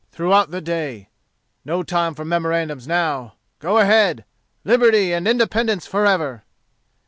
throughout the day. No time for memorandums now. Go ahead! Liberty and Independence forever."